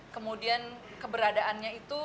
kemudian keberadaannya itu